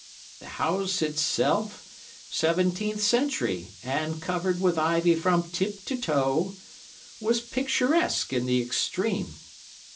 The house itself, seventeenth century and covered with ivy from tip to toe, was picturesque in the extreme.